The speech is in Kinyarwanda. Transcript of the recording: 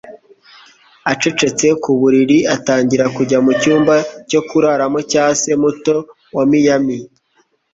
Acecetse ku buriri, atangira kujya mu cyumba cyo kuraramo cya se muto wa Miami.